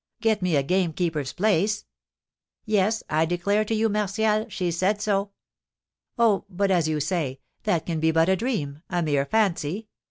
'" "Get me a gamekeeper's place?" "Yes; I declare to you, Martial, she said so." "Oh, but as you say, that can be but a dream a mere fancy.